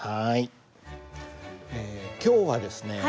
え今日はですね